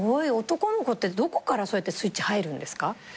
男の子ってどこからそうやってスイッチ入るんですか？